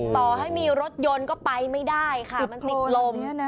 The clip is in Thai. ต่อให้มีรถยนต์ก็ไปไม่ได้ค่ะมันติดลม